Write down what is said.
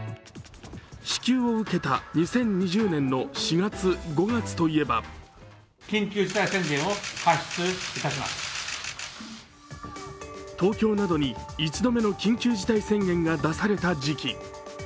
支給を受けた２０２０年の４月、５月といえば東京などに１度目の緊急事態宣言が出された時期。